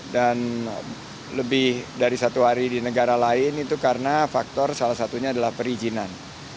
dan lebih dari satu hari di negara lain itu karena faktor salah satunya adalah perizinan